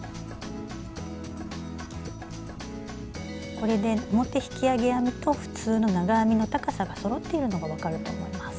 これで表引き上げ編みと普通の長編みの高さがそろっているのが分かると思います。